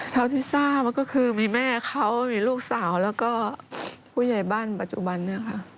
เท่าที่ทราบก็คือมีแม่เขามีลูกสาวแล้วก็ผู้ใหญ่บ้านปัจจุบันนี้ค่ะ